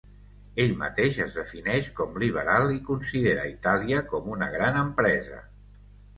Ell mateix es defineix com liberal i considera Itàlia com una gran empresa.